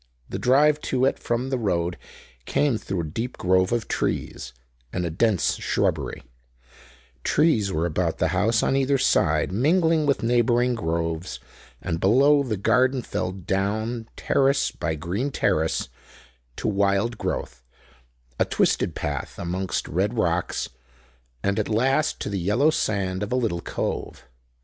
The drive to it from the road came through a deep grove of trees and a dense shrubbery, trees were about the house on either side, mingling with neighboring groves, and below, the garden fell down, terrace by green terrace, to wild growth, a twisted path amongst red rocks, and at last to the yellow sand of a little cove.